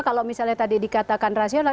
kalau misalnya tadi dikatakan rasional